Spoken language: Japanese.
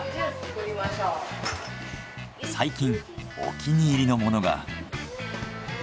最近お気に入りのものが。